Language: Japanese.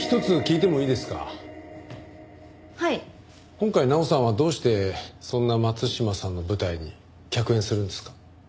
今回奈央さんはどうしてそんな松島さんの舞台に客演するんですか？